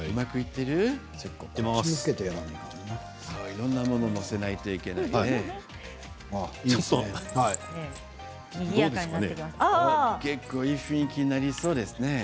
いろんなものを載せないといけないね。